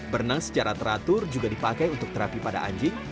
berenang secara teratur juga dipakai untuk terapi pada anjing